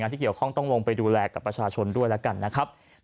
ต้องลงไปดูแลกับประชาชนด้วยนะครับ